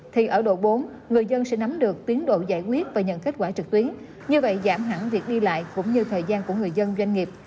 thì ở độ bốn người dân sẽ nắm được tiến độ giải quyết và nhận kết quả trực tuyến như vậy giảm hẳn việc đi lại cũng như thời gian của người dân doanh nghiệp